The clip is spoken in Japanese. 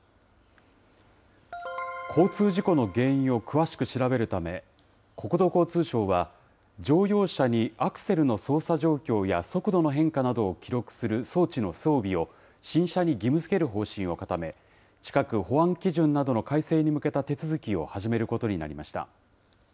交通事故の原因を詳しく調べるため、国土交通省は、乗用車にアクセルの操作状況や速度の変化などを記録する装置の装備を新車に義務づける方針を固め、近く保安基準などの改正に向けた手続きを始めることになりました。